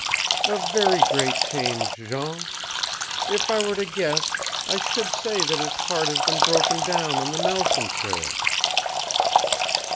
"A very great change, Jean. If I were to guess, I should say that his heart has been broken down on the Nelson trail."